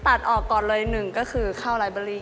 ตัดออกก่อนเลย๑ก็คือข้าวไลฟ์เบอร์รี่